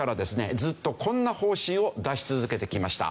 ずっとこんな方針を出し続けてきました。